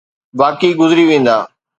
باقي گذري ويندا.